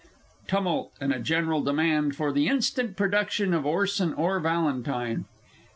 _Tumult, and a general demand for the instant production of Orson or Valentine.